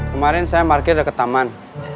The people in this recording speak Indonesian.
kemarin saya market deket taman